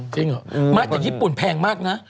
จริงเหรอไม่แต่ญี่ปุ่นแพงมากนะ